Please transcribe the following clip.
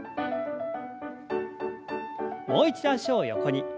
もう一度脚を横に。